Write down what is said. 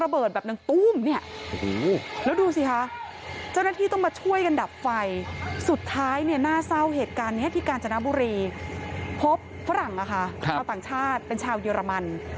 พบฝรั่งค่ะชาวต่างชาติเป็นชาวเยอรมัน